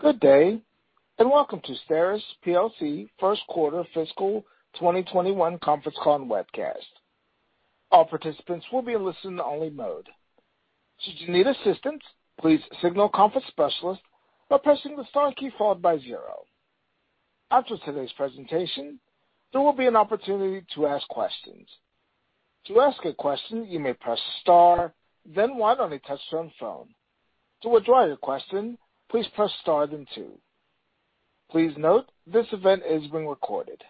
Good day, and welcome to STERIS PLC first quarter fiscal 2021 conference call and webcast. All participants will be in listen-only mode. Should you need assistance, please signal Conference Specialist by pressing the star key followed by zero. After today's presentation, there will be an opportunity to ask questions. To ask a question, you may press star, then one on a touch-tone phone. To withdraw your question, please press star then two. Please note this event is being recorded.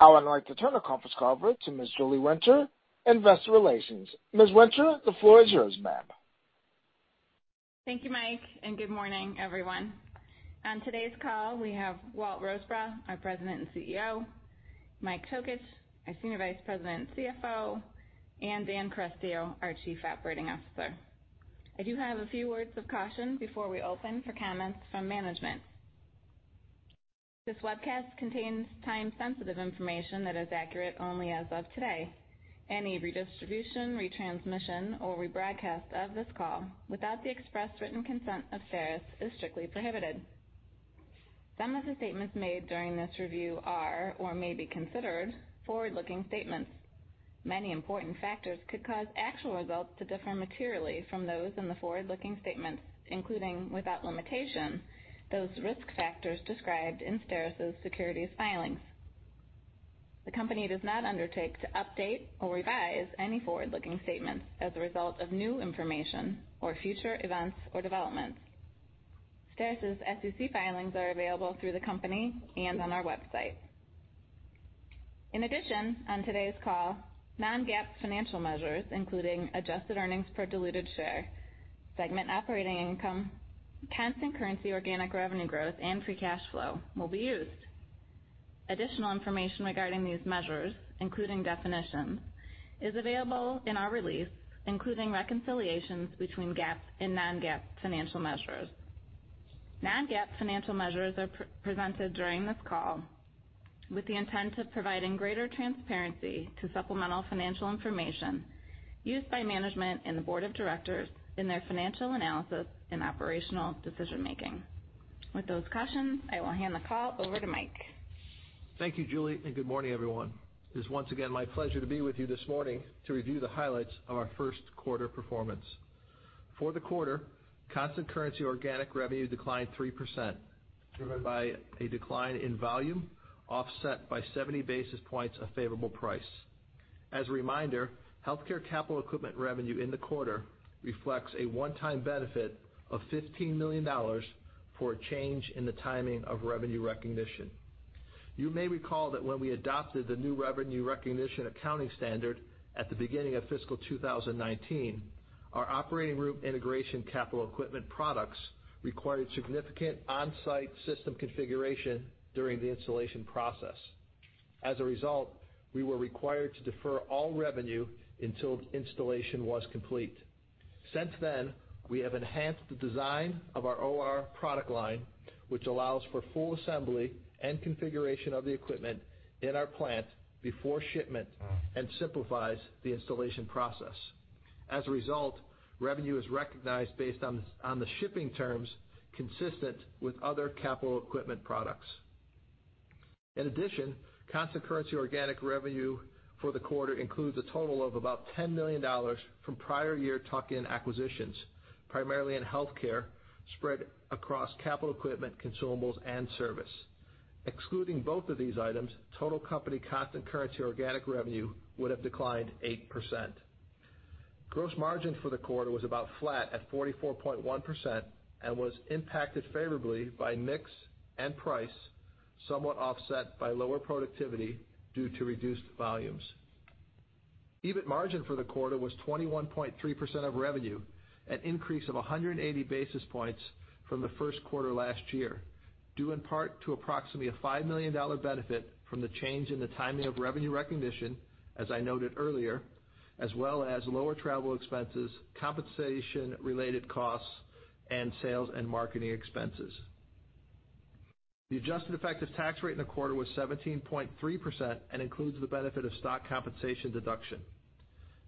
I would like to turn the conference call over to Ms. Julie Winter, Investor Relations. Ms. Winter, the floor is yours, ma'am. Thank you, Mike, and good morning, everyone. On today's call, we have Walt Rosebrough, our President and CEO, Mike Tokich, our Senior Vice President and CFO, and Dan Carestio, our Chief Operating Officer. I do have a few words of caution before we open for comments from management. This webcast contains time-sensitive information that is accurate only as of today. Any redistribution, retransmission, or rebroadcast of this call without the express written consent of STERIS is strictly prohibited. Some of the statements made during this review are or may be considered forward-looking statements. Many important factors could cause actual results to differ materially from those in the forward-looking statements, including without limitation, those risk factors described in STERIS's securities filings. The company does not undertake to update or revise any forward-looking statements as a result of new information or future events or developments. STERIS's SEC filings are available through the company and on our website. In addition, on today's call, Non-GAAP financial measures, including Adjusted Earnings per Diluted Share, Segment Operating Income, Constant Currency Organic Revenue Growth, and Free Cash Flow, will be used. Additional information regarding these measures, including definitions, is available in our release, including reconciliations between GAAP and Non-GAAP financial measures. Non-GAAP financial measures are presented during this call with the intent of providing greater transparency to supplemental financial information used by management and the board of directors in their financial analysis and operational decision-making. With those cautions, I will hand the call over to Mike. Thank you, Julie, and good morning, everyone. It is once again my pleasure to be with you this morning to review the highlights of our first quarter performance. For the quarter, constant currency organic revenue declined 3%, driven by a decline in volume offset by 70 basis points of favorable price. As a reminder, Healthcare capital equipment revenue in the quarter reflects a one-time benefit of $15 million for a change in the timing of revenue recognition. You may recall that when we adopted the new revenue recognition accounting standard at the beginning of fiscal 2019, our operating room integration capital equipment products required significant on-site system configuration during the installation process. As a result, we were required to defer all revenue until installation was complete. Since then, we have enhanced the design of our OR product line, which allows for full assembly and configuration of the equipment in our plant before shipment and simplifies the installation process. As a result, revenue is recognized based on the shipping terms consistent with other capital equipment products. In addition, constant currency organic revenue for the quarter includes a total of about $10 million from prior year tuck-in acquisitions, primarily in healthcare, spread across capital equipment, consumables, and service. Excluding both of these items, total company constant currency organic revenue would have declined 8%. Gross margin for the quarter was about flat at 44.1% and was impacted favorably by mix and price, somewhat offset by lower productivity due to reduced volumes. EBIT margin for the quarter was 21.3% of revenue, an increase of 180 basis points from the first quarter last year, due in part to approximately a $5 million benefit from the change in the timing of revenue recognition, as I noted earlier, as well as lower travel expenses, compensation-related costs, and sales and marketing expenses. The adjusted effective tax rate in the quarter was 17.3% and includes the benefit of stock compensation deduction.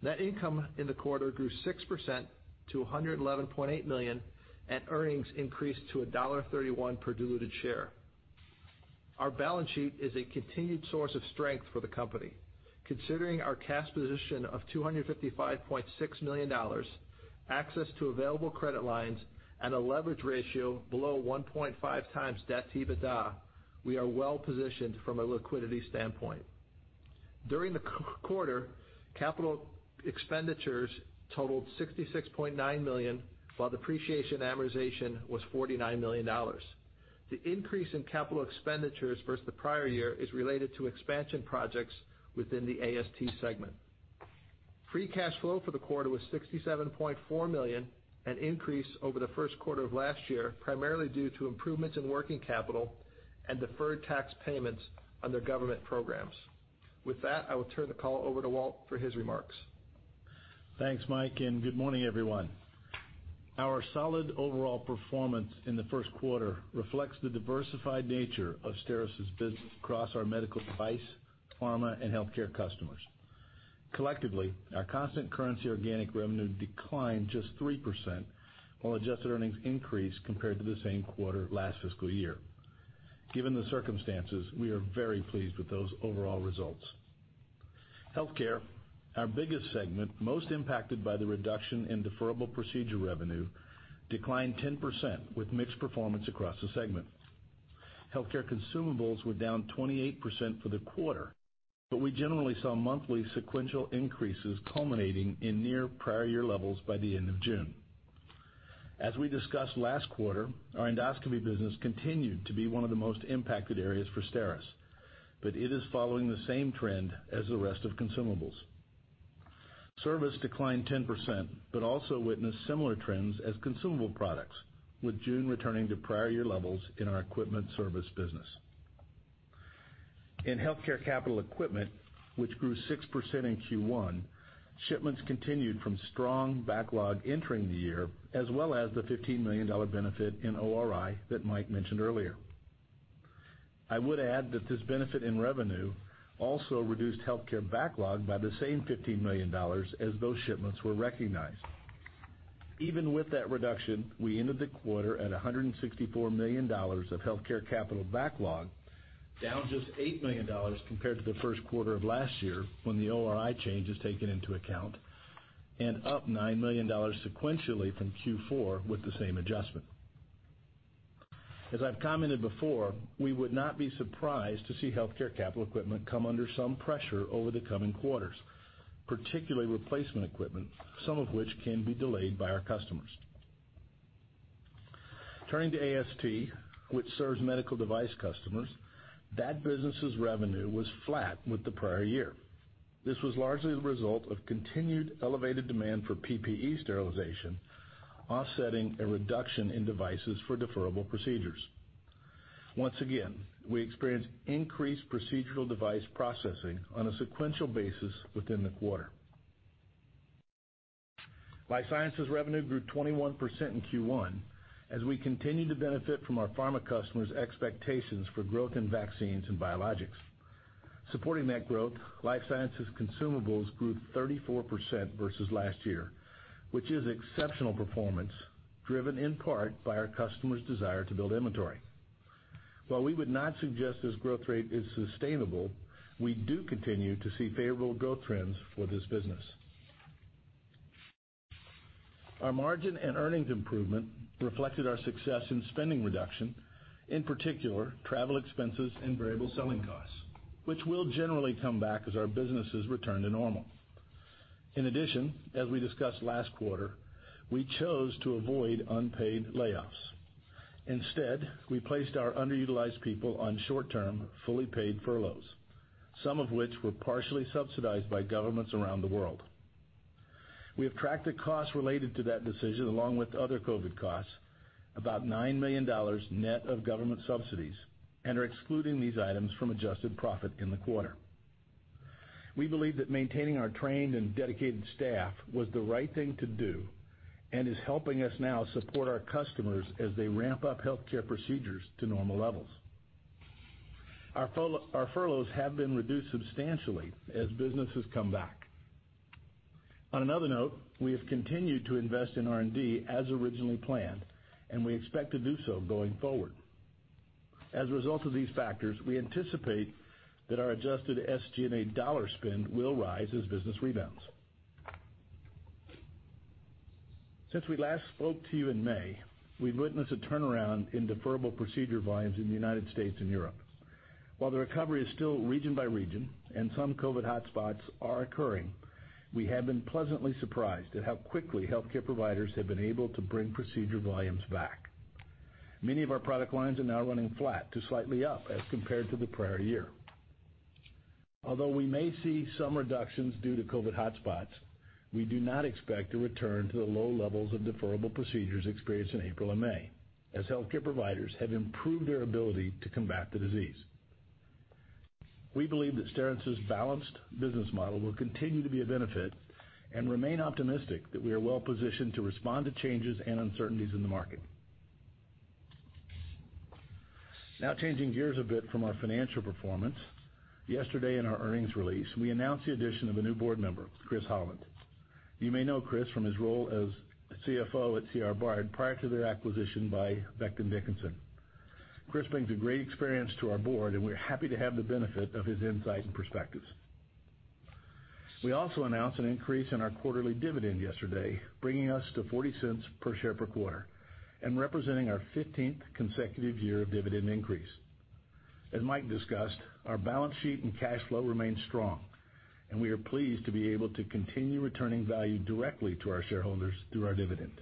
Net income in the quarter grew 6% to $111.8 million, and earnings increased to $1.31 per diluted share. Our balance sheet is a continued source of strength for the company. Considering our cash position of $255.6 million, access to available credit lines, and a leverage ratio below 1.5x debt to EBITDA, we are well positioned from a liquidity standpoint. During the quarter, capital expenditures totalled $66.9 million, while depreciation amortization was $49 million. The increase in capital expenditures versus the prior year is related to expansion projects within the AST segment. Free cash flow for the quarter was $67.4 million, an increase over the first quarter of last year, primarily due to improvements in working capital and deferred tax payments under government programs. With that, I will turn the call over to Walt for his remarks. Thanks, Mike, and good morning, everyone. Our solid overall performance in the first quarter reflects the diversified nature of STERIS's business across our medical device, pharma, and healthcare customers. Collectively, our constant currency organic revenue declined just 3%, while adjusted earnings increased compared to the same quarter last fiscal year. Given the circumstances, we are very pleased with those overall results. Healthcare, our biggest segment, most impacted by the reduction in deferable procedure revenue, declined 10% with mixed performance across the segment. Healthcare consumables were down 28% for the quarter, but we generally saw monthly sequential increases culminating in near prior year levels by the end of June. As we discussed last quarter, our endoscopy business continued to be one of the most impacted areas for STERIS, but it is following the same trend as the rest of consumables. Service declined 10% but also witnessed similar trends as consumable products, with June returning to prior year levels in our equipment service business. In healthcare capital equipment, which grew 6% in Q1, shipments continued from strong backlog entering the year, as well as the $15 million benefit in ORI that Mike mentioned earlier. I would add that this benefit in revenue also reduced healthcare backlog by the same $15 million as those shipments were recognized. Even with that reduction, we ended the quarter at $164 million of healthcare capital backlog, down just $8 million compared to the first quarter of last year when the ORI change is taken into account, and up $9 million sequentially from Q4 with the same adjustment. As I've commented before, we would not be surprised to see healthcare capital equipment come under some pressure over the coming quarters, particularly replacement equipment, some of which can be delayed by our customers. Turning to AST, which serves medical device customers, that business's revenue was flat with the prior year. This was largely the result of continued elevated demand for PPE sterilization, offsetting a reduction in devices for deferable procedures. Once again, we experienced increased procedural device processing on a sequential basis within the quarter. Life Sciences revenue grew 21% in Q1 as we continue to benefit from our pharma customers' expectations for growth in vaccines and biologics. Supporting that growth, life sciences consumables grew 34% versus last year, which is exceptional performance driven in part by our customers' desire to build inventory. While we would not suggest this growth rate is sustainable, we do continue to see favorable growth trends for this business. Our margin and earnings improvement reflected our success in spending reduction, in particular travel expenses and variable selling costs, which will generally come back as our businesses return to normal. In addition, as we discussed last quarter, we chose to avoid unpaid layoffs. Instead, we placed our underutilized people on short-term, fully paid furloughs, some of which were partially subsidized by governments around the world. We have tracked the costs related to that decision along with other COVID costs, about $9 million net of government subsidies, and are excluding these items from adjusted profit in the quarter. We believe that maintaining our trained and dedicated staff was the right thing to do and is helping us now support our customers as they ramp up healthcare procedures to normal levels. Our furloughs have been reduced substantially as business has come back. On another note, we have continued to invest in R&D as originally planned, and we expect to do so going forward. As a result of these factors, we anticipate that our adjusted SG&A dollar spend will rise as business rebounds. Since we last spoke to you in May, we've witnessed a turnaround in deferable procedure volumes in the United States and Europe. While the recovery is still region by region and some COVID hotspots are occurring, we have been pleasantly surprised at how quickly healthcare providers have been able to bring procedure volumes back. Many of our product lines are now running flat to slightly up as compared to the prior year. Although we may see some reductions due to COVID hotspots, we do not expect a return to the low levels of deferable procedures experienced in April and May, as healthcare providers have improved their ability to combat the disease. We believe that STERIS's balanced business model will continue to be a benefit and remain optimistic that we are well positioned to respond to changes and uncertainties in the market. Now changing gears a bit from our financial performance, yesterday in our earnings release, we announced the addition of a new board member, Chris Holland. You may know Chris from his role as CFO at CR Bard prior to their acquisition by Becton Dickinson. Chris brings a great experience to our board, and we're happy to have the benefit of his insight and perspectives. We also announced an increase in our quarterly dividend yesterday, bringing us to $0.40 per share per quarter and representing our 15th consecutive year of dividend increase. As Mike discussed, our balance sheet and cash flow remain strong, and we are pleased to be able to continue returning value directly to our shareholders through our dividend.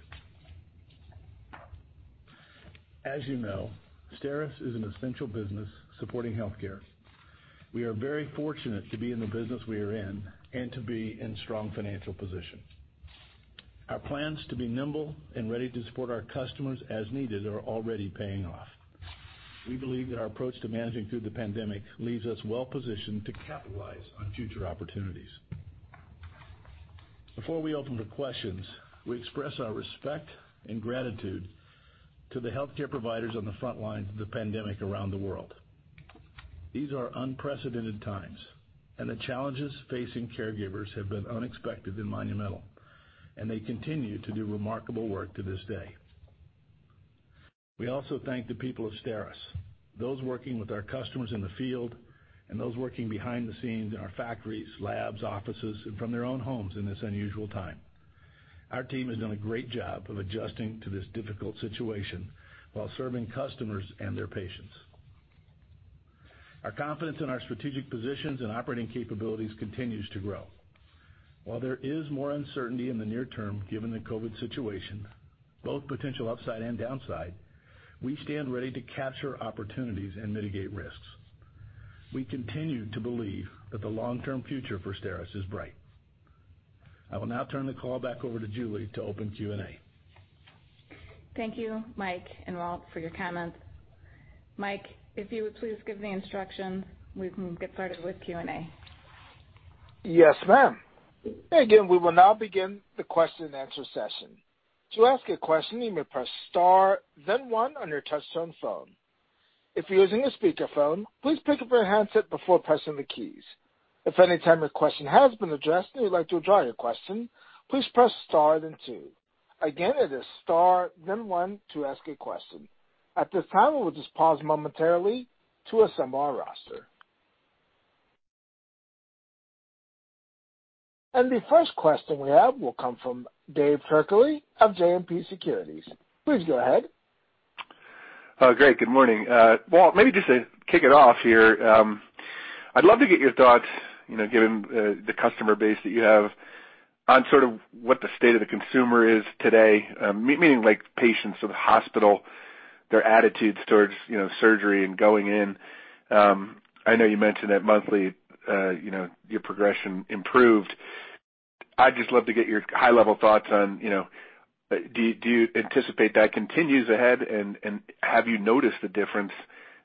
As you know, STERIS is an essential business supporting healthcare. We are very fortunate to be in the business we are in and to be in strong financial position. Our plans to be nimble and ready to support our customers as needed are already paying off. We believe that our approach to managing through the pandemic leaves us well positioned to capitalize on future opportunities. Before we open for questions, we express our respect and gratitude to the healthcare providers on the front lines of the pandemic around the world. These are unprecedented times, and the challenges facing caregivers have been unexpected and monumental, and they continue to do remarkable work to this day. We also thank the people of STERIS, those working with our customers in the field, and those working behind the scenes in our factories, labs, offices, and from their own homes in this unusual time. Our team has done a great job of adjusting to this difficult situation while serving customers and their patients. Our confidence in our strategic positions and operating capabilities continues to grow. While there is more uncertainty in the near term given the COVID situation, both potential upside and downside, we stand ready to capture opportunities and mitigate risks. We continue to believe that the long-term future for STERIS is bright. I will now turn the call back over to Julie to open Q&A. Thank you, Mike and Walt, for your comments. Mike, if you would please give the instruction, we can get started with Q&A. Yes, ma'am. Again, we will now begin the question-and-answer session. To ask a question, you may press star, then one on your touch-tone phone. If you're using a speakerphone, please pick up your handset before pressing the keys. If at any time your question has been addressed and you'd like to withdraw your question, please press star, then two. Again, it is star, then one to ask a question. At this time, we will just pause momentarily to assemble our roster. The first question we have will come from David Turkaly of JMP Securities. Please go ahead. Oh, great. Good morning. Well, maybe just to kick it off here, I'd love to get your thoughts, given the customer base that you have, on sort of what the state of the consumer is today, meaning patients to the hospital, their attitudes toward surgery and going in. I know you mentioned that monthly your progression improved. I'd just love to get your high-level thoughts on do you anticipate that continues ahead, and have you noticed the difference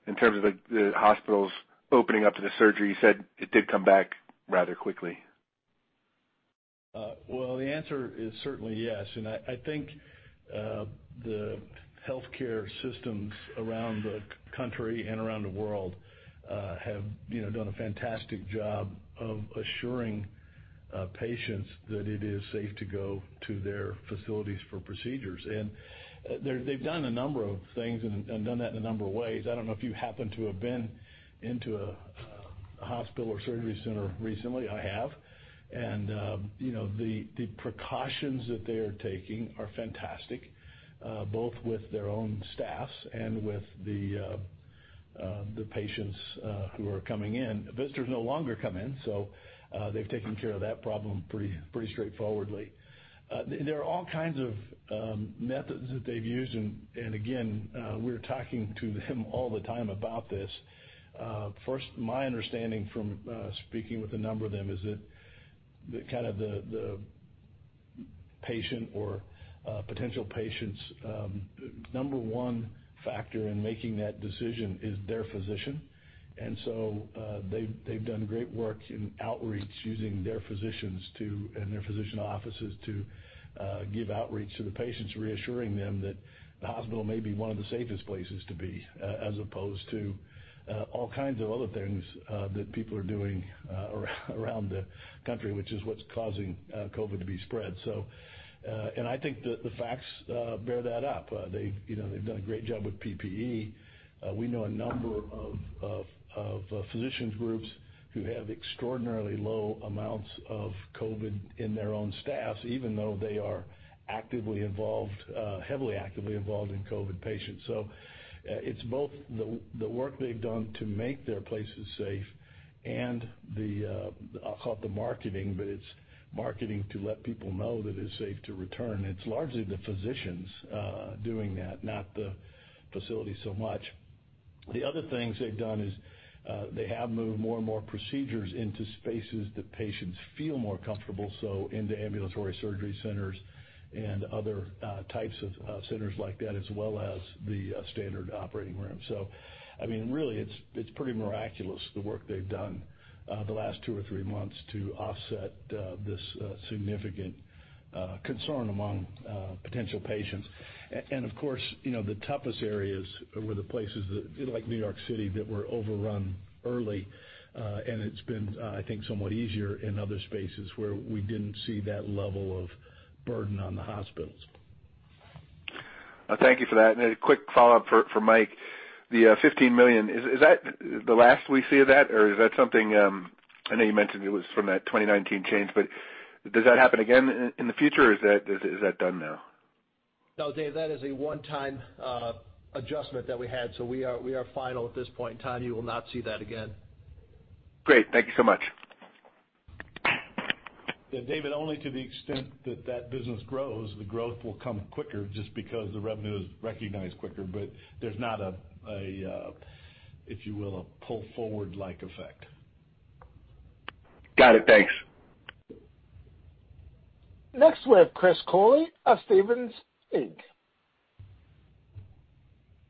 in terms of the hospitals opening up to the surgery? You said it did come back rather quickly. The answer is certainly yes. I think the healthcare systems around the country and around the world have done a fantastic job of assuring patients that it is safe to go to their facilities for procedures. They've done a number of things and done that in a number of ways. I don't know if you happen to have been into a hospital or surgery center recently. I have. The precautions that they are taking are fantastic, both with their own staffs and with the patients who are coming in. Visitors no longer come in, so they've taken care of that problem pretty straightforwardly. There are all kinds of methods that they've used. Again, we're talking to them all the time about this. First, my understanding from speaking with a number of them is that kind of the patient or potential patient's number one factor in making that decision is their physician. And so they've done great work in outreach using their physicians and their physician offices to give outreach to the patients, reassuring them that the hospital may be one of the safest places to be, as opposed to all kinds of other things that people are doing around the country, which is what's causing COVID to be spread. And I think the facts bear that up. They've done a great job with PPE. We know a number of physicians' groups who have extraordinarily low amounts of COVID in their own staff, even though they are heavily actively involved in COVID patients. So it's both the work they've done to make their places safe and the, I'll call it the marketing, but it's marketing to let people know that it's safe to return. It's largely the physicians doing that, not the facility so much. The other things they've done is they have moved more and more procedures into spaces that patients feel more comfortable, so into ambulatory surgery centers and other types of centers like that, as well as the standard operating room. So I mean, really, it's pretty miraculous, the work they've done the last two or three months to offset this significant concern among potential patients. And of course, the toughest areas were the places like New York City that were overrun early, and it's been, I think, somewhat easier in other spaces where we didn't see that level of burden on the hospitals. Thank you for that, and a quick follow-up for Mike. The $15 million, is that the last we see of that, or is that something I know you mentioned it was from that 2019 change, but does that happen again in the future, or is that done now? No, David, that is a one-time adjustment that we had. So we are final at this point in time. You will not see that again. Great. Thank you so much. David, only to the extent that that business grows, the growth will come quicker just because the revenue is recognized quicker, but there's not a, if you will, a pull-forward-like effect. Got it. Thanks. Next, we have Chris Cooley of Stephens Inc.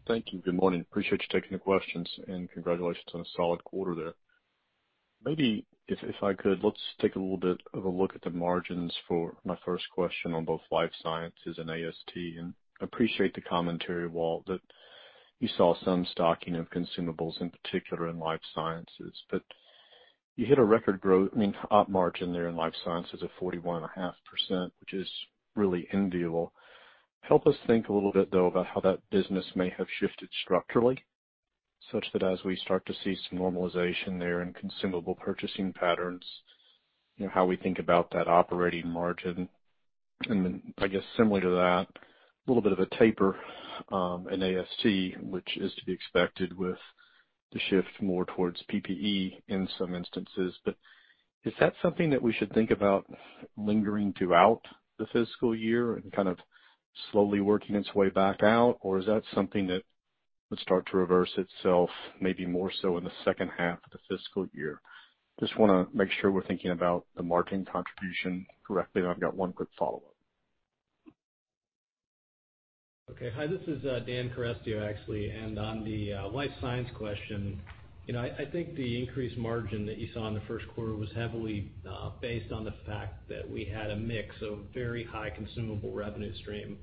Thank you. Good morning. Appreciate you taking the questions, and congratulations on a solid quarter there. Maybe if I could, let's take a little bit of a look at the margins for my first question on both life sciences and AST. And I appreciate the commentary, Walt, that you saw some stocking of consumables, in particular in life sciences. But you hit a record growth, I mean, up margin there in life sciences at 41.5%, which is really enviable. Help us think a little bit, though, about how that business may have shifted structurally, such that as we start to see some normalization there in consumable purchasing patterns, how we think about that operating margin. And I guess, similarly to that, a little bit of a taper in AST, which is to be expected with the shift more towards PPE in some instances. But is that something that we should think about lingering throughout the fiscal year and kind of slowly working its way back out, or is that something that would start to reverse itself, maybe more so in the second half of the fiscal year? Just want to make sure we're thinking about the margin contribution correctly. I've got one quick follow-up. Okay. Hi, this is Dan Carestio, actually, and on the life science question, I think the increased margin that you saw in the first quarter was heavily based on the fact that we had a mix of very high consumable revenue stream.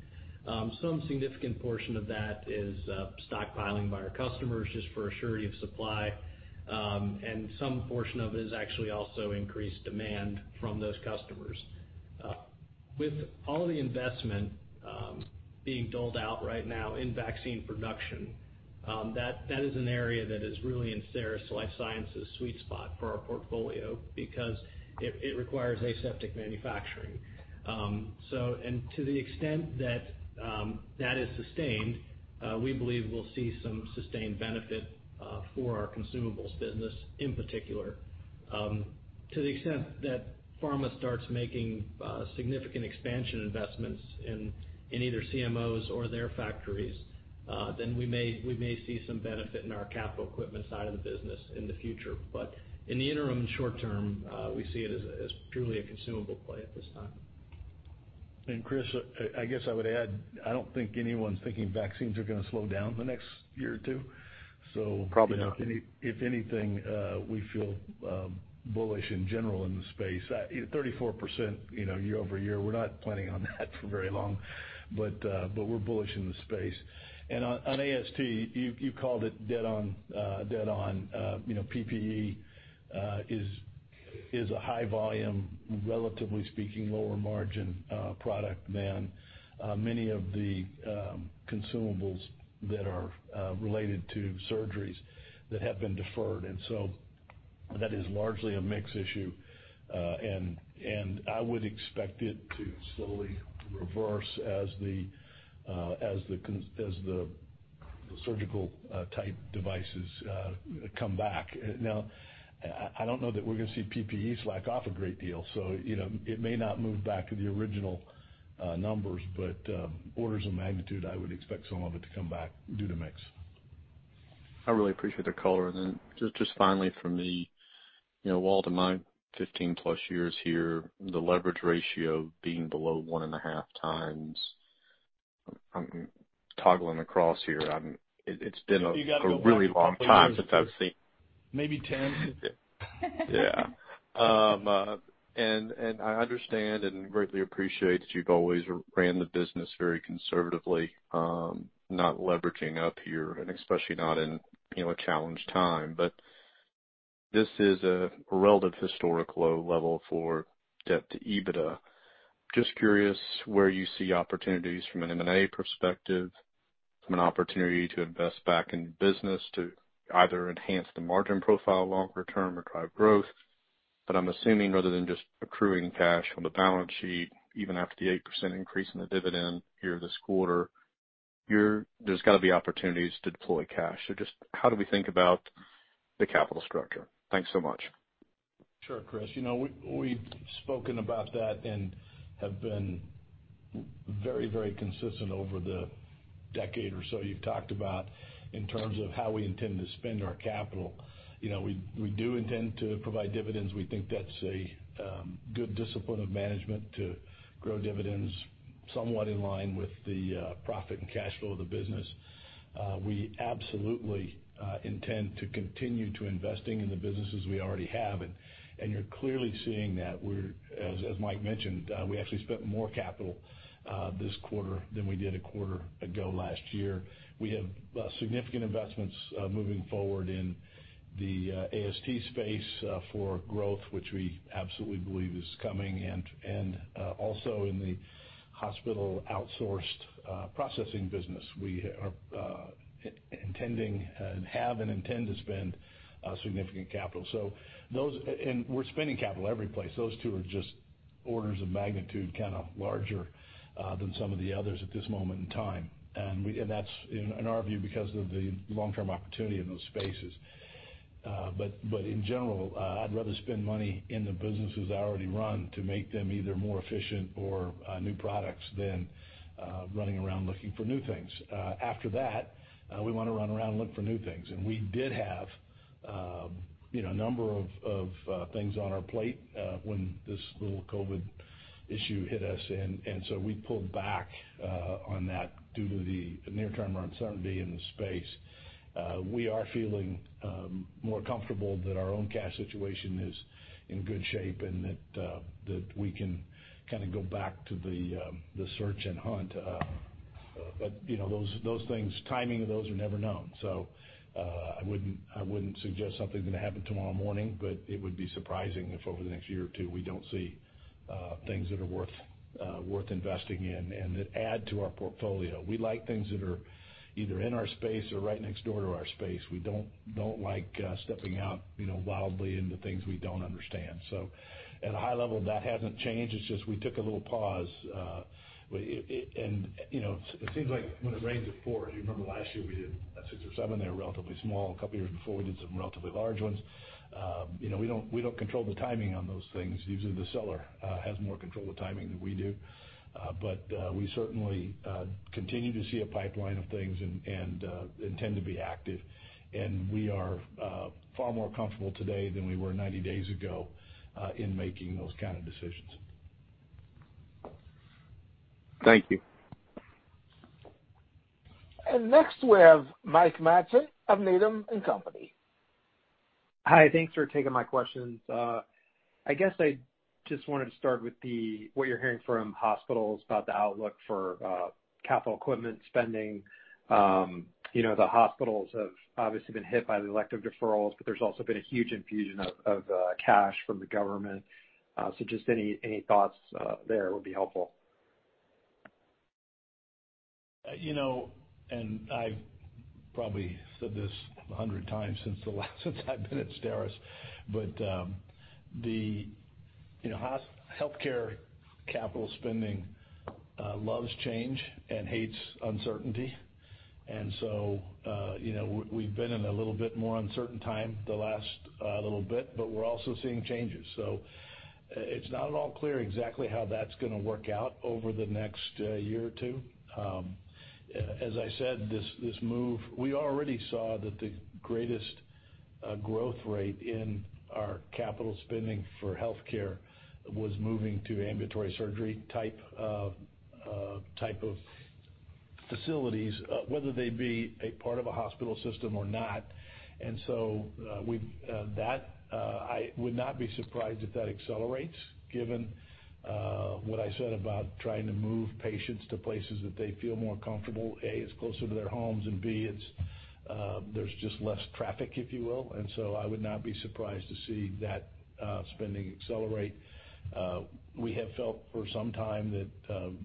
Some significant portion of that is stockpiling by our customers just for assurance of supply, and some portion of it is actually also increased demand from those customers. With all of the investment being doled out right now in vaccine production, that is an area that is really in STERIS Life Sciences' sweet spot for our portfolio because it requires aseptic manufacturing, and to the extent that that is sustained, we believe we'll see some sustained benefit for our consumables business in particular. To the extent that pharma starts making significant expansion investments in either CMOs or their factories, then we may see some benefit in our capital equipment side of the business in the future, but in the interim and short term, we see it as purely a consumable play at this time. Chris, I guess I would add, I don't think anyone's thinking vaccines are going to slow down in the next year or two. So if anything, we feel bullish in general in the space. 34% year-over-year. We're not planning on that for very long, but we're bullish in the space. And on AST, you called it dead on. Dead on. PPE is a high-volume, relatively speaking, lower-margin product than many of the consumables that are related to surgeries that have been deferred. And so that is largely a mix issue. And I would expect it to slowly reverse as the surgical-type devices come back. Now, I don't know that we're going to see PPE slack off a great deal. So it may not move back to the original numbers, but orders of magnitude, I would expect some of it to come back due to mix. I really appreciate the call. And then just finally for me, Walt, in my 15+ years here, the leverage ratio being below one and a half times, I'm toggling across here. It's been a really long time since I've seen. Maybe 10. Yeah. And I understand and greatly appreciate that you've always ran the business very conservatively, not leveraging up here, and especially not in a challenged time. But this is a relative historic low level for debt to EBITDA. Just curious where you see opportunities from an M&A perspective, from an opportunity to invest back in business to either enhance the margin profile longer term or drive growth. But I'm assuming rather than just accruing cash on the balance sheet, even after the 8% increase in the dividend here this quarter, there's got to be opportunities to deploy cash. So just how do we think about the capital structure? Thanks so much. Sure, Chris. We've spoken about that and have been very, very consistent over the decade or so you've talked about in terms of how we intend to spend our capital. We do intend to provide dividends. We think that's a good discipline of management to grow dividends, somewhat in line with the profit and cash flow of the business. We absolutely intend to continue to invest in the businesses we already have. And you're clearly seeing that. As Mike mentioned, we actually spent more capital this quarter than we did a quarter ago last year. We have significant investments moving forward in the AST space for growth, which we absolutely believe is coming. And also in the hospital outsourced processing business, we intend and have and intend to spend significant capital. And we're spending capital every place. Those two are just orders of magnitude kind of larger than some of the others at this moment in time. And that's, in our view, because of the long-term opportunity in those spaces. But in general, I'd rather spend money in the businesses I already run to make them either more efficient or new products than running around looking for new things. After that, we want to run around and look for new things. And we did have a number of things on our plate when this little COVID issue hit us. And so we pulled back on that due to the near-term uncertainty in the space. We are feeling more comfortable that our own cash situation is in good shape and that we can kind of go back to the search and hunt. But those things, timing of those are never known. So I wouldn't suggest something's going to happen tomorrow morning, but it would be surprising if over the next year or two, we don't see things that are worth investing in and that add to our portfolio. We like things that are either in our space or right next door to our space. We don't like stepping out wildly into things we don't understand. So at a high level, that hasn't changed. It's just we took a little pause. And it seems like when it rains, it pours. You remember last year we did six or seven. They were relatively small. A couple of years before, we did some relatively large ones. We don't control the timing on those things. Usually, the seller has more control of timing than we do. But we certainly continue to see a pipeline of things and intend to be active. We are far more comfortable today than we were 90 days ago in making those kinds of decisions. Thank you. Next, we have Mike Matson of Needham & Company. Hi. Thanks for taking my questions. I guess I just wanted to start with what you're hearing from hospitals about the outlook for capital equipment spending. The hospitals have obviously been hit by the elective deferrals, but there's also been a huge infusion of cash from the government. So just any thoughts there would be helpful. And I've probably said this a hundred times since I've been at STERIS, but the healthcare capital spending loves change and hates uncertainty. And so we've been in a little bit more uncertain time the last little bit, but we're also seeing changes. So it's not at all clear exactly how that's going to work out over the next year or two. As I said, this move, we already saw that the greatest growth rate in our capital spending for healthcare was moving to ambulatory surgery type of facilities, whether they be a part of a hospital system or not. And so that, I would not be surprised if that accelerates, given what I said about trying to move patients to places that they feel more comfortable. A, it's closer to their homes, and B, there's just less traffic, if you will. And so I would not be surprised to see that spending accelerate. We have felt for some time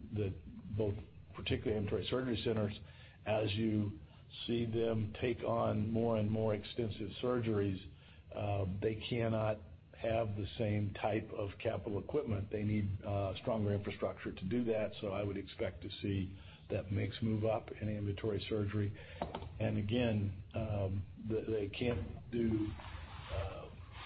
that both, particularly ASCs, as you see them take on more and more extensive surgeries, they cannot have the same type of capital equipment. They need stronger infrastructure to do that. So I would expect to see that mix move up in ambulatory surgery. And again, they can't do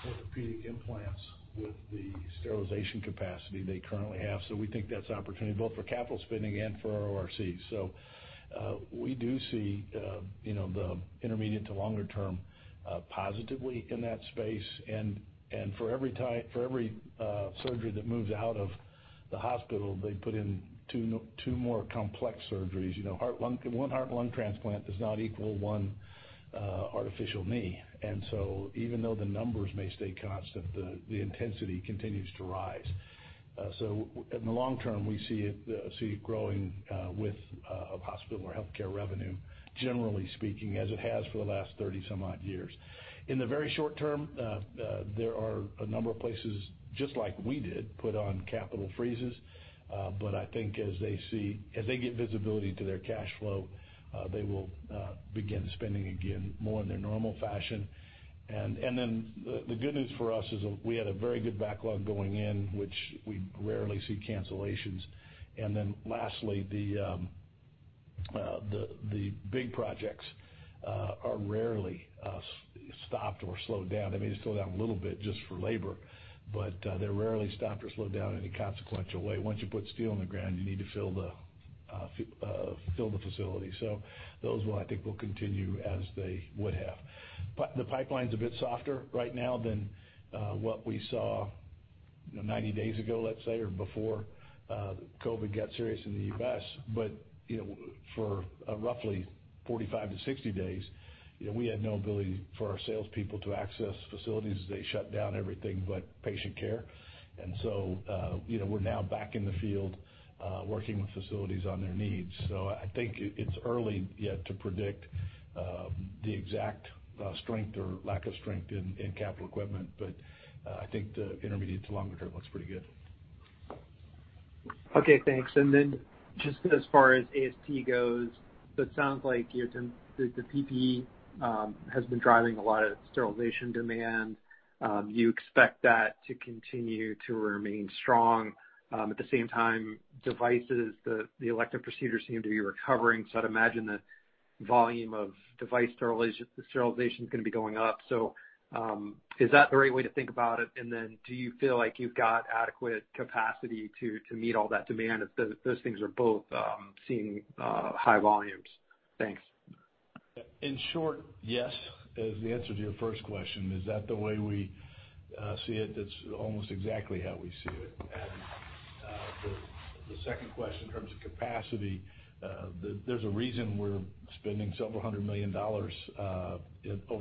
orthopedic implants with the sterilization capacity they currently have. So we think that's an opportunity both for capital spending and for ORI. So we do see the intermediate to longer term positively in that space. And for every surgery that moves out of the hospital, they put in two more complex surgeries. One heart and lung transplant does not equal one artificial knee. And so even though the numbers may stay constant, the intensity continues to rise. In the long term, we see it growing with hospital or healthcare revenue, generally speaking, as it has for the last 30-some-odd years. In the very short term, there are a number of places, just like we did, put on capital freezes. I think as they get visibility to their cash flow, they will begin spending again more in their normal fashion. The good news for us is we had a very good backlog going in, which we rarely see cancellations. Lastly, the big projects are rarely stopped or slowed down. They may slow down a little bit just for labor, but they're rarely stopped or slowed down in a consequential way. Once you put steel in the ground, you need to fill the facility. Those, well, I think will continue as they would have. The pipeline's a bit softer right now than what we saw 90 days ago, let's say, or before COVID got serious in the U.S. But for roughly 45 days-60 days, we had no ability for our salespeople to access facilities. They shut down everything but patient care. And so we're now back in the field working with facilities on their needs. So I think it's early yet to predict the exact strength or lack of strength in capital equipment. But I think the intermediate to longer term looks pretty good. Okay. Thanks. And then just as far as AST goes, so it sounds like the PPE has been driving a lot of sterilization demand. You expect that to continue to remain strong. At the same time, devices, the elective procedures seem to be recovering. So I'd imagine the volume of device sterilization is going to be going up. So is that the right way to think about it? And then do you feel like you've got adequate capacity to meet all that demand if those things are both seeing high volumes? Thanks. In short, yes, as the answer to your first question. Is that the way we see it? That's almost exactly how we see it, and the second question, in terms of capacity, there's a reason we're spending several hundred million dollars over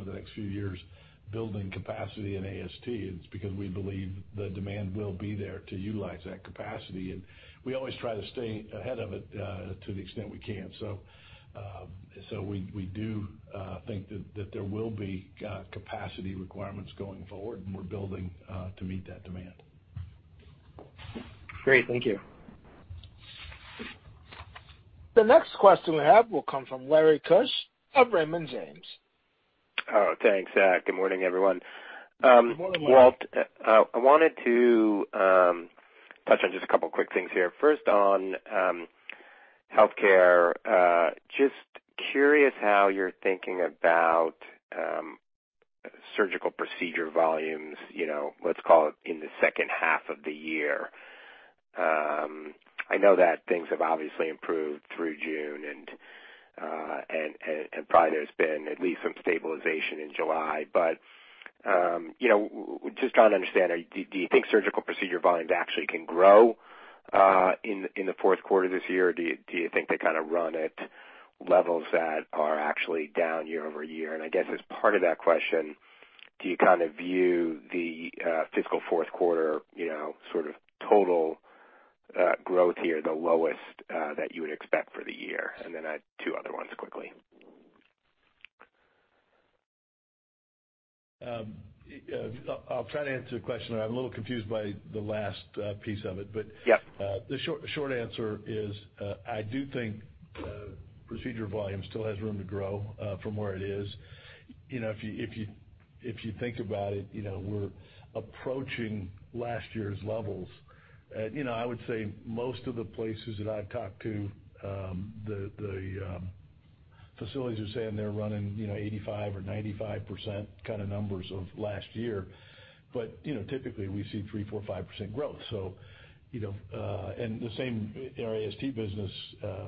the next few years building capacity in AST. It's because we believe the demand will be there to utilize that capacity, and we always try to stay ahead of it to the extent we can, so we do think that there will be capacity requirements going forward, and we're building to meet that demand. Great. Thank you. The next question we have will come from Larry Keusch of Raymond James. Thanks, Mike. Good morning, everyone. Good morning, Mike. Walt, I wanted to touch on just a couple of quick things here. First, on healthcare, just curious how you're thinking about surgical procedure volumes, let's call it in the second half of the year. I know that things have obviously improved through June, and probably there's been at least some stabilization in July. But just trying to understand, do you think surgical procedure volumes actually can grow in the fourth quarter this year? Or do you think they kind of run at levels that are actually down year-over-year? And I guess as part of that question, do you kind of view the fiscal fourth quarter sort of total growth here the lowest that you would expect for the year? And then two other ones quickly. I'll try to answer the question. I'm a little confused by the last piece of it. But the short answer is I do think procedure volume still has room to grow from where it is. If you think about it, we're approaching last year's levels. I would say most of the places that I've talked to, the facilities are saying they're running 85% or 95% kind of numbers of last year. But typically, we see three, four, 5% growth. And the same in our AST business,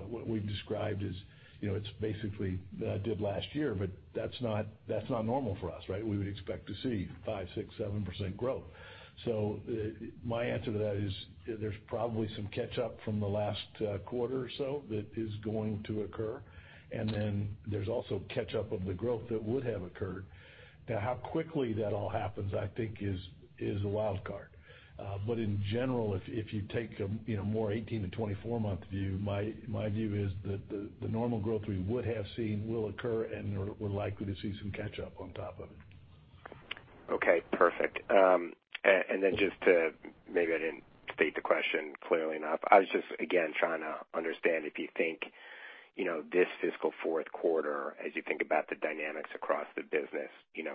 what we've described is it's basically did last year, but that's not normal for us, right? We would expect to see five, six, 7% growth. So my answer to that is there's probably some catch-up from the last quarter or so that is going to occur. And then there's also catch-up of the growth that would have occurred. Now, how quickly that all happens, I think, is a wild card. But in general, if you take a more 18-month to 24-month view, my view is that the normal growth we would have seen will occur and we're likely to see some catch-up on top of it. Okay. Perfect. And then just to maybe I didn't state the question clearly enough. I was just, again, trying to understand if you think this fiscal fourth quarter, as you think about the dynamics across the business,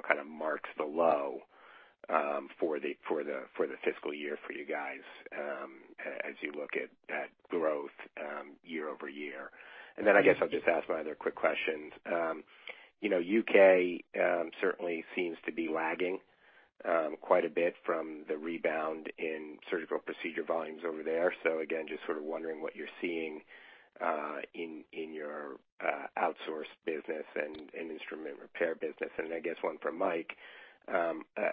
kind of marks the low for the fiscal year for you guys as you look at growth year-over-year. And then I guess I'll just ask my other quick questions. U.K. certainly seems to be lagging quite a bit from the rebound in surgical procedure volumes over there. So again, just sort of wondering what you're seeing in your outsourced business and instrument repair business. And I guess one from Mike.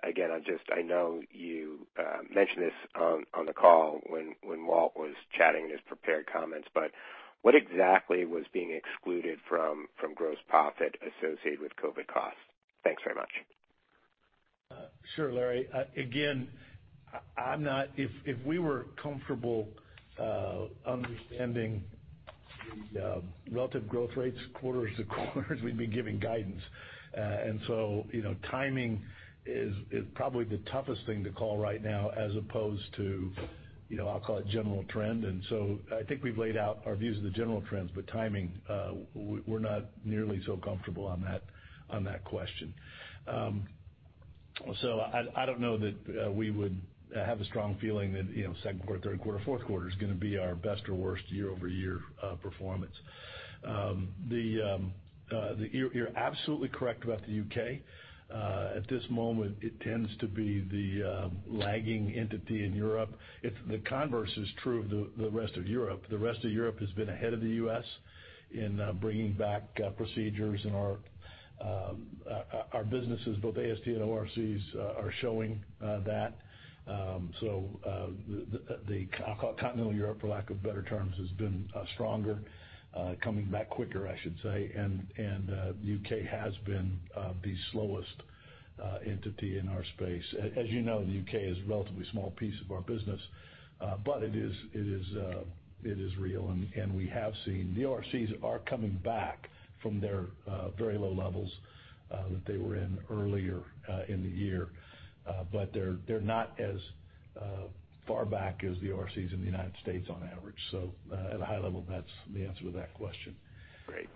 Again, I know you mentioned this on the call when Walt was chatting in his prepared comments, but what exactly was being excluded from gross profit associated with COVID costs? Thanks very much. Sure, Larry. Again, if we were comfortable understanding the relative growth rates quarter to quarter, we'd be giving guidance. And so timing is probably the toughest thing to call right now as opposed to, I'll call it, general trend. And so I think we've laid out our views of the general trends, but timing, we're not nearly so comfortable on that question. So I don't know that we would have a strong feeling that second quarter, third quarter, fourth quarter is going to be our best or worst year-over-year performance. You're absolutely correct about the U.K. At this moment, it tends to be the lagging entity in Europe. The converse is true of the rest of Europe. The rest of Europe has been ahead of the U.S. in bringing back procedures. And our businesses, both AST and ORIs, are showing that. So the continental Europe, for lack of better terms, has been stronger, coming back quicker, I should say. And the U.K. has been the slowest entity in our space. As you know, the U.K. is a relatively small piece of our business, but it is real. And we have seen the ORs are coming back from their very low levels that they were in earlier in the year. But they're not as far back as the ORs in the United States on average. So at a high level, that's the answer to that question. Great.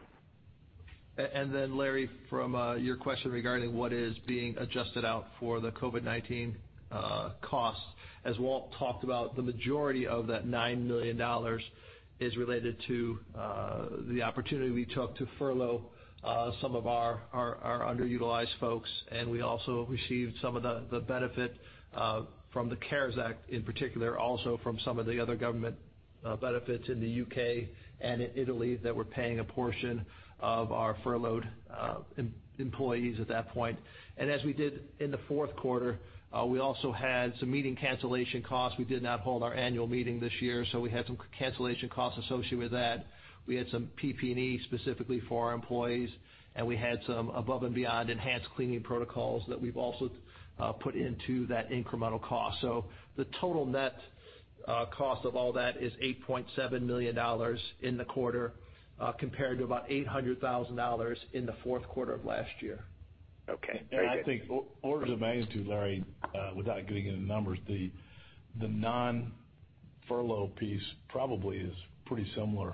And then, Larry, from your question regarding what is being adjusted out for the COVID-19 costs, as Walt talked about, the majority of that $9 million is related to the opportunity we took to furlough some of our underutilized folks. And we also received some of the benefit from the CARES Act in particular, also from some of the other government benefits in the U.K. and in Italy that were paying a portion of our furloughed employees at that point. And as we did in the fourth quarter, we also had some meeting cancellation costs. We did not hold our annual meeting this year, so we had some cancellation costs associated with that. We had some PPE specifically for our employees, and we had some above and beyond enhanced cleaning protocols that we've also put into that incremental cost. So the total net cost of all that is $8.7 million in the quarter compared to about $800,000 in the fourth quarter of last year. Okay. Very good. I think orders of magnitude, Larry, without giving you the numbers, the non-furlough piece probably is pretty similar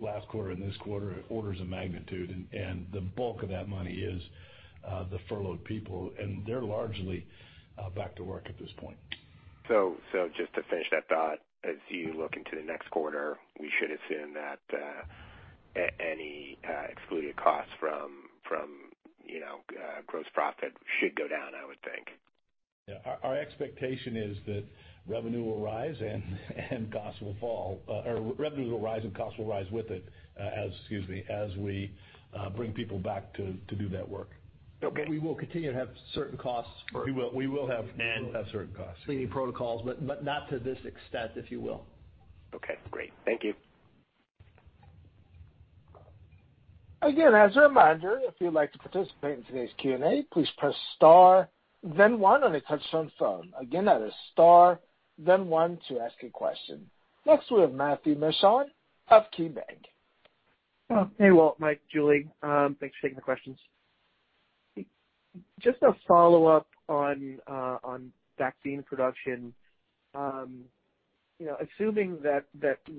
last quarter and this quarter in orders of magnitude. The bulk of that money is the furloughed people, and they're largely back to work at this point. So just to finish that thought, as you look into the next quarter, we should assume that any excluded costs from gross profit should go down, I would think. Yeah. Our expectation is that revenue will rise and costs will fall. Or revenues will rise and costs will rise with it, excuse me, as we bring people back to do that work. Okay. We will continue to have certain costs for. We will have certain costs. Cleaning protocols, but not to this extent, if you will. Okay. Great. Thank you. Again, as a reminder, if you'd like to participate in today's Q&A, please press star, then one, on the touch-tone phone. Again, that is star, then one to ask a question. Next, we have Matthew Mishan of KeyBanc. Hey, Walt, Mike, Julie. Thanks for taking the questions. Just a follow-up on vaccine production. Assuming that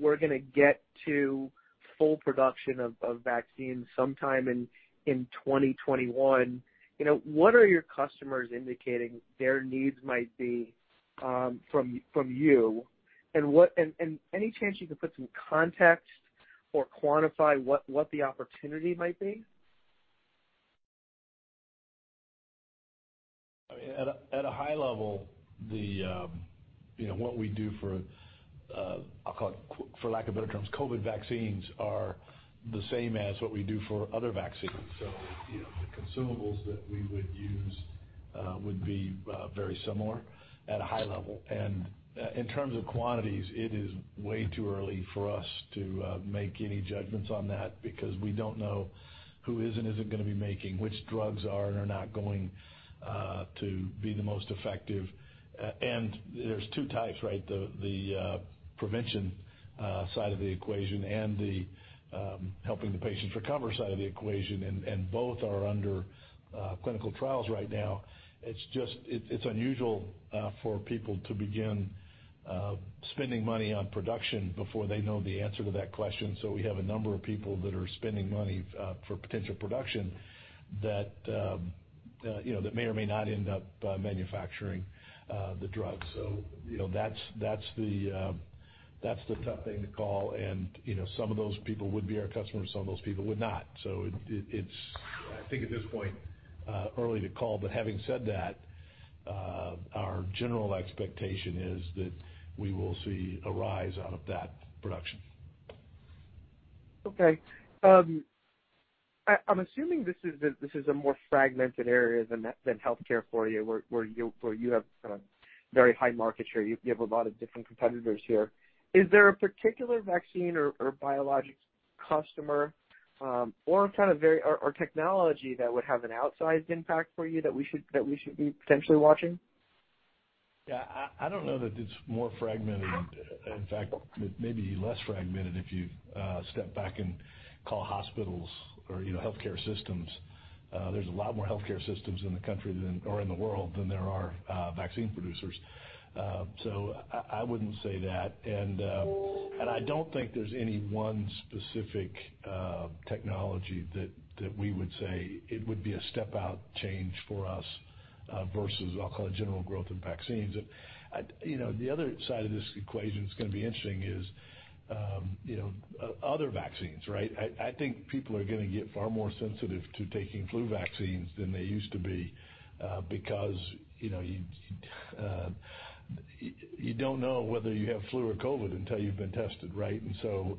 we're going to get to full production of vaccines sometime in 2021, what are your customers indicating their needs might be from you? And any chance you can put some context or quantify what the opportunity might be? I mean, at a high level, what we do for, I'll call it, for lack of better terms, COVID vaccines are the same as what we do for other vaccines. So the consumables that we would use would be very similar at a high level. And in terms of quantities, it is way too early for us to make any judgments on that because we don't know who is and isn't going to be making, which drugs are and are not going to be the most effective. And there's two types, right? The prevention side of the equation and the helping the patient recover side of the equation. And both are under clinical trials right now. It's unusual for people to begin spending money on production before they know the answer to that question. So we have a number of people that are spending money for potential production that may or may not end up manufacturing the drugs. So that's the tough thing to call. And some of those people would be our customers. Some of those people would not. So I think at this point, early to call. But having said that, our general expectation is that we will see a rise out of that production. Okay. I'm assuming this is a more fragmented area than healthcare for you, where you have a very high market share. You have a lot of different competitors here. Is there a particular vaccine or biologics customer or kind of technology that would have an outsized impact for you that we should be potentially watching? Yeah. I don't know that it's more fragmented. In fact, maybe less fragmented if you step back and call hospitals or healthcare systems. There's a lot more healthcare systems in the country or in the world than there are vaccine producers. So I wouldn't say that. And I don't think there's any one specific technology that we would say it would be a step-out change for us versus, I'll call it, general growth of vaccines. The other side of this equation that's going to be interesting is other vaccines, right? I think people are going to get far more sensitive to taking flu vaccines than they used to be because you don't know whether you have flu or COVID until you've been tested, right?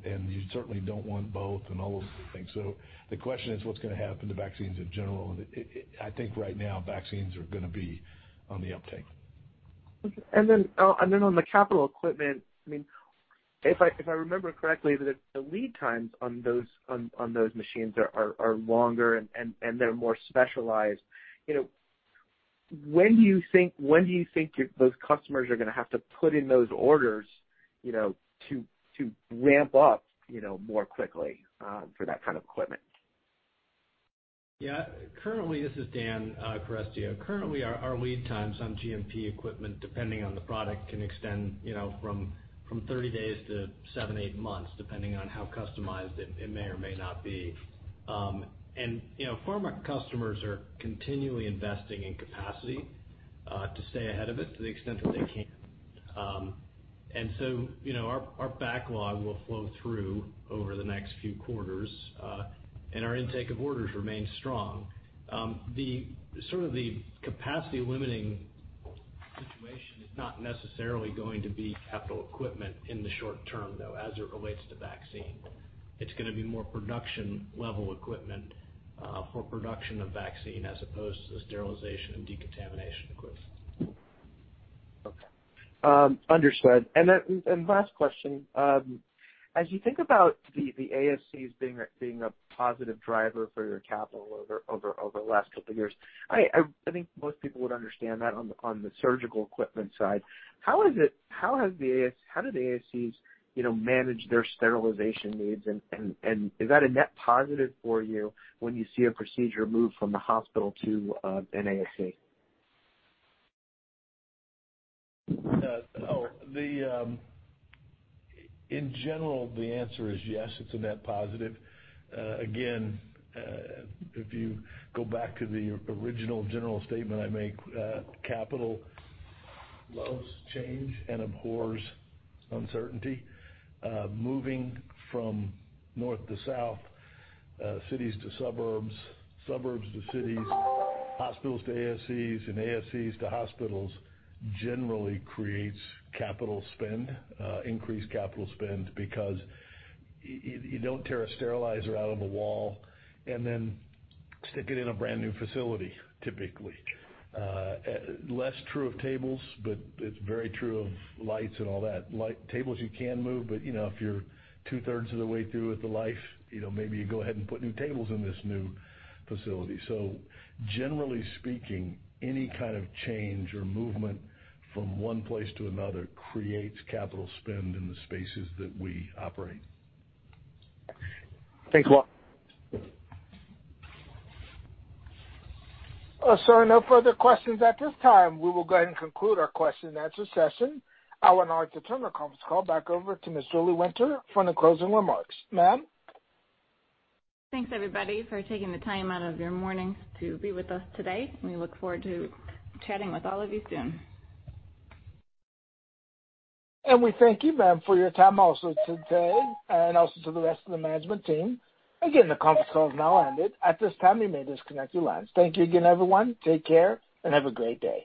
And you certainly don't want both and all those things. So the question is, what's going to happen to vaccines in general? I think right now, vaccines are going to be on the uptake. Then on the capital equipment, I mean, if I remember correctly, the lead times on those machines are longer and they're more specialized. When do you think those customers are going to have to put in those orders to ramp up more quickly for that kind of equipment? Yeah. Currently, this is Dan Carestio. Currently, our lead times on GMP equipment, depending on the product, can extend from 30 days to seven, eight months, depending on how customized it may or may not be. And pharma customers are continually investing in capacity to stay ahead of it to the extent that they can. And so our backlog will flow through over the next few quarters, and our intake of orders remains strong. Sort of the capacity-limiting situation is not necessarily going to be capital equipment in the short term, though, as it relates to vaccine. It's going to be more production-level equipment for production of vaccine as opposed to sterilization and decontamination equipment. Okay. Understood. And last question. As you think about the ASCs being a positive driver for your capital over the last couple of years, I think most people would understand that on the surgical equipment side. How has the ASCs managed their sterilization needs? And is that a net positive for you when you see a procedure move from the hospital to an ASC? Oh, in general, the answer is yes. It's a net positive. Again, if you go back to the original general statement I make, capital loves change and abhors uncertainty. Moving from north to south, cities to suburbs, suburbs to cities, hospitals to ASCs, and ASCs to hospitals generally creates capital spend, increased capital spend, because you don't tear a sterilizer out of a wall and then stick it in a brand new facility, typically. Less true of tables, but it's very true of lights and all that. Tables you can move, but if you're two-thirds of the way through with the life, maybe you go ahead and put new tables in this new facility. So generally speaking, any kind of change or movement from one place to another creates capital spend in the spaces that we operate. Thanks, Walt. So no further questions at this time. We will go ahead and conclude our question-and-answer session. I will now like to turn the conference call back over to Ms. Julie Winter for any closing remarks. Ma'am? Thanks, everybody, for taking the time out of your mornings to be with us today. We look forward to chatting with all of you soon. And we thank you, ma'am, for your time also today and also to the rest of the management team. Again, the conference call is now ended. At this time, we may disconnect your lines. Thank you again, everyone. Take care and have a great day.